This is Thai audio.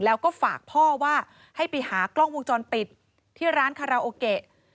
แล้วก็ฝากพ่อว่าให้ไปหากล้องวงจรปิดที่ร้านคาราโอเกะ